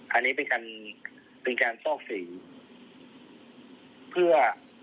อันนี้เป็นการรอกสีเพื่อ